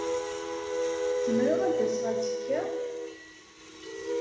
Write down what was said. Zemreɣ ad d-aseɣ azekka?